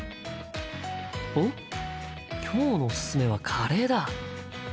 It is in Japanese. おっ今日のおすすめはカレーだ。